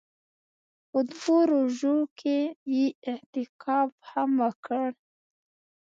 په دوو روژو کښې يې اعتکاف هم وکړ.